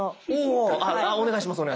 お願いします。